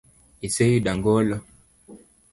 Iseyudo angolo?